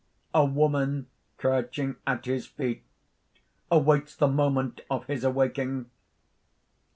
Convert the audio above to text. _ _A woman crouching at his feet, awaits the moment of his awaking.